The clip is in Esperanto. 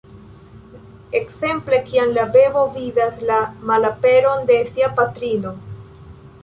Ekzemple kiam bebo vidas la malaperon de sia patrino.